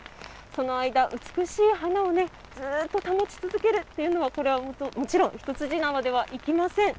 その間、美しい花をね、ずっと保ち続けるというのは、これはもちろん、一筋縄ではいきません。